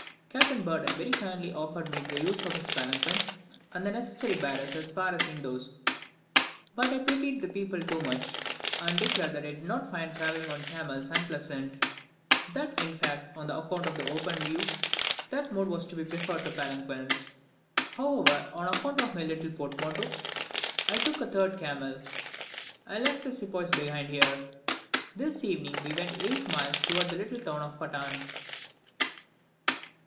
Captain Burdon very kindly offered me the use of his palanquin and the necessary bearers as far as Indos, but I pitied the people too much, and declared that I did not find travelling on camels unpleasant; that in fact, on account of the open view, that mode was to be preferred to palanquins. However, on account of my little portmanteau, I took a third camel. I left the sepoys behind here. This evening we went eight miles towards the little town Patan.